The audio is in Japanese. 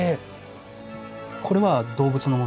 これは動物のものです。